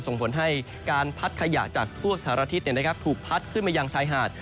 ส่งผลให้การพัดขยะจากทั่วสารทิศถูกพัดขึ้นมายังชายหาด